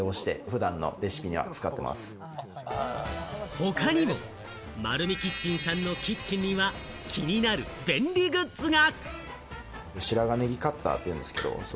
他にも、まるみキッチンさんのキッチンには気になる便利グッズが！